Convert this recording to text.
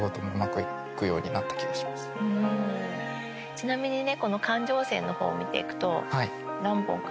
ちなみにね。